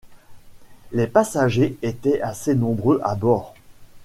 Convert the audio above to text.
Les passagers étaient assez nombreux à bord.